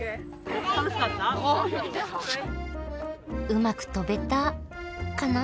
うまく飛べたカナ？